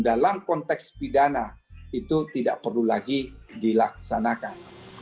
dalam konteks pidana itu tidak perlu lagi dilaksanakan